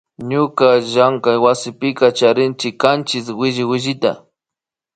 Ñuka llankaywasipi charinchi kanchis williwillita